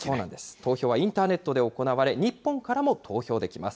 投票はインターネットで行われ、日本からも投票できます。